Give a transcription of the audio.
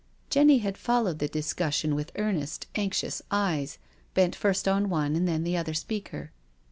Jenny had followed the discussion with earnest, anxious eyes, bent first on one and then the other speaker.